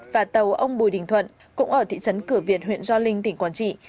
và tàu ông bùi đình thuận cũng ở thị trấn cửa việt huyện gio linh tỉnh quảng trị